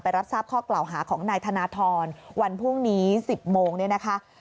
รับทราบข้อกล่าวหาของนายธนทรวันพรุ่งนี้๑๐โมงเนี่ยนะคะ